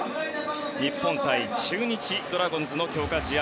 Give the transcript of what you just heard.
日本対中日ドラゴンズの強化試合